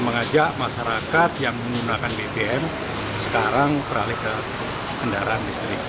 mengajak masyarakat yang menggunakan bbm sekarang beralih ke kendaraan listrik